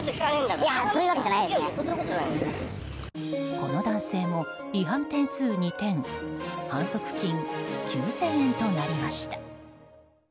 この男性も違反点数２点反則金９０００円となりました。